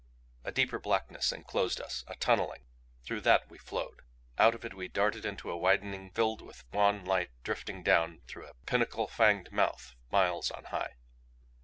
A deeper blackness enclosed us a tunneling. Through that we flowed. Out of it we darted into a widening filled with wan light drifting down through a pinnacle fanged mouth miles on high.